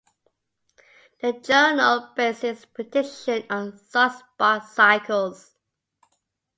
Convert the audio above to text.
The journal based its prediction on sunspot cycles.